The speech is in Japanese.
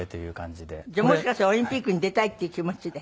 じゃあもしかしたらオリンピックに出たいっていう気持ちで？